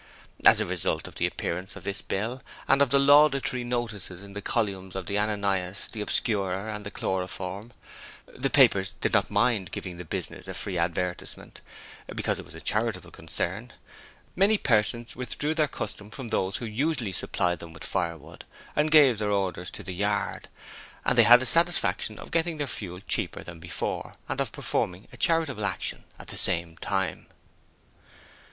As a result of the appearance of this bill, and of the laudatory notices in the columns of the Ananias, the Obscurer, and the Chloroform the papers did not mind giving the business a free advertisement, because it was a charitable concern many persons withdrew their custom from those who usually supplied them with firewood, and gave their orders to the Yard; and they had the satisfaction of getting their fuel cheaper than before and of performing a charitable action at the same time.